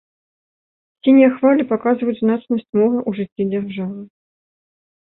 Сінія хвалі паказваюць значнасць мора ў жыцці дзяржавы.